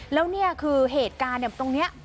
แล้วเนี่ยคือเหตุการณ์เนี่ย